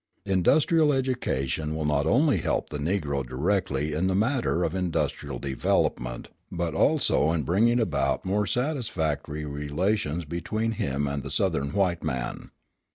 Industrial education will not only help the Negro directly in the matter of industrial development, but also in bringing about more satisfactory relations between him and the Southern white man.